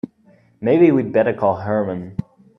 Maybe we'd better call Herman.